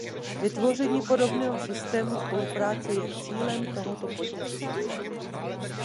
Vytvoření podobného systému spolupráce je cílem tohoto podnětu.